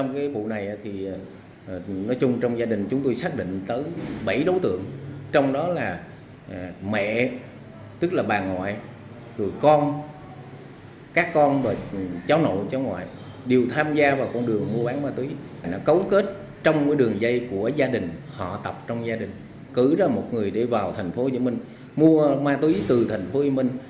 cứ ra một người để vào thành phố hồ chí minh mua ma túy từ thành phố hồ chí minh